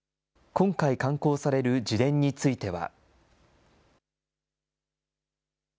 今回刊行される自伝については。